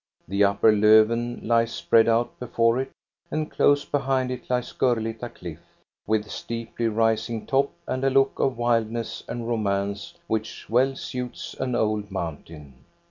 The upper Lofven lies spread out before it and close behind it lias Gurlitta cliff, with steeply rising top and a look of wildness and romance which well suits an old mountain.